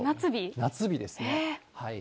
夏日ですね。